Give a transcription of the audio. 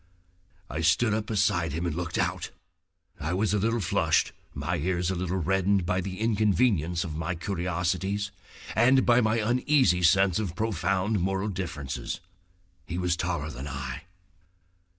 ... I stood up beside him and looked out. I was a little flushed, my ears a little reddened, by the inconvenience of my curiosities, and by my uneasy sense of profound moral differences. He was taller than I.